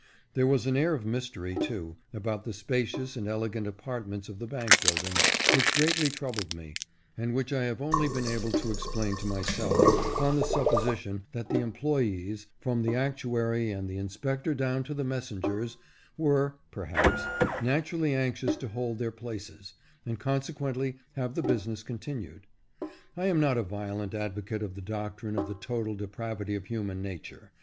There was an air of mystery, too, about the spa cious and elegant apartments of the bank building, which greatly troubled me, and which I have only been able to explain to myself on the supposition that the em ployees, from the actuary and the inspector down to the messengers, were (perhaps) naturally anxious to hold their places, and consequently have the business con tinued. I am not a violent advocate of the doctrine of the total depravity of human nature.